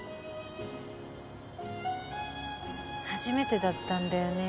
初めてだったんだよね。